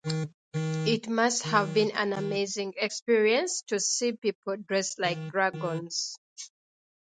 It must have been an amazing experience to see people dressed like dragons!